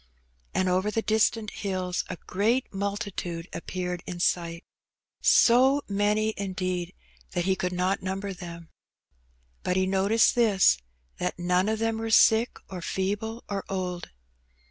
And over the distant bills a great multitude appeared in sight — so many, indeed, that he could not number them. But he noticed this, that none of them were sick, or feeble, or old.